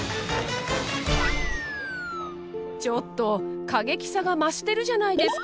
ちょっと過激さが増してるじゃないですか。